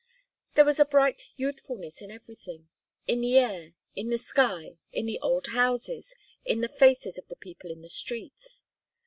There was a bright youthfulness in everything, in the air, in the sky, in the old houses, in the faces of the people in the streets.